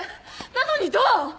なのにどう！？